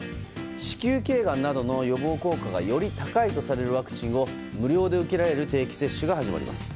更に子宮頸がんなどの予防効果がより高いとされるワクチンを無料で受けられる定期接種が始まります。